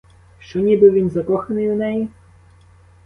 Що ніби він закоханий у неї?